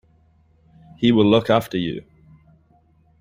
He will look after you.